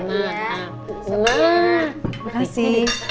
nah terima kasih